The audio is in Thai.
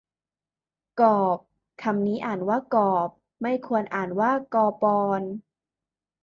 กอปร คำนี้อ่านว่ากอบ ไม่ควรอ่านว่ากอปอน